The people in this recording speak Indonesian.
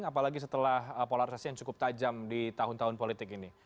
apalagi setelah polarisasi yang cukup tajam di tahun tahun politik ini